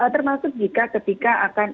termasuk jika ketika akan